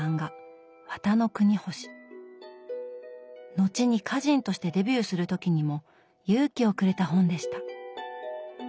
後に歌人としてデビューする時にも勇気をくれた本でした。